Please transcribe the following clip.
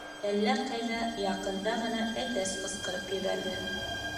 Әллә ҡайҙа яҡында ғына әтәс ҡысҡырып ебәрҙе.